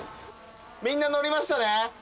みんな乗りましたね？